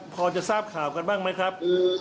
พอจะทราบข่าวกันบ้างไหมครับ